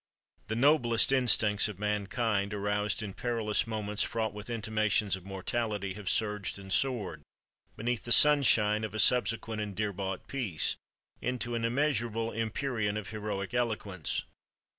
The noblest instincts of mankind—aroused in perilous moments fraught with intimations of mortality—have surged and soared, beneath the sunshine of a subsequent and dear bought peace, into an immeasurable empyrean of heroic eloquence.